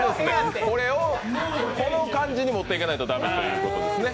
この感じに持っていけないと駄目ということですね。